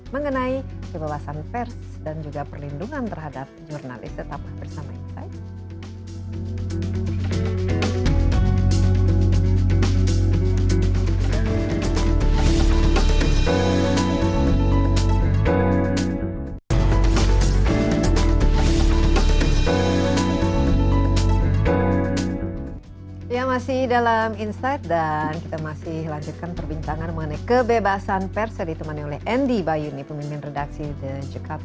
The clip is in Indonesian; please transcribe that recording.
mengenai kebawasan pers dan juga perlindungan terhadap jurnalis tetap bersama insight